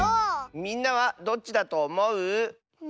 みんなはどっちだとおもう？